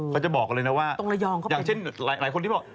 เขาจะบอกเลยนะว่าอย่างเช่นหลายคนที่บอก